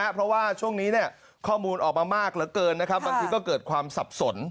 เพราะว่าช่วงนี้ข้อมูลออกมามากเหลือเกินนะครับบางทีก็เกิดความสับสน